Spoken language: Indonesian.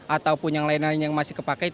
ataupun yang lain lain yang masih kepakai